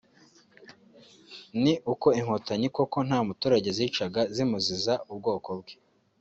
ni uko Inkotanyi koko nta muturage zicaga zimuziza ubwoko bwe